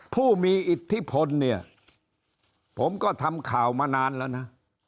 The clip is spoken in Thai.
ผู้มีอิทธิพลเนี่ยผมก็ทำข่าวมานานแล้วนะ